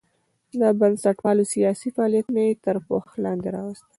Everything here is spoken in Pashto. د بنسټپالو سیاسي فعالیتونه یې تر پوښښ لاندې راوستل.